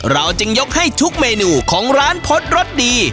เราจะยกให้ทุกเมนูของร้านพรดดี